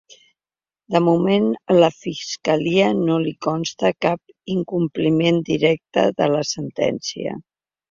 De moment, a la fiscalia no li consta cap incompliment directe de la sentència.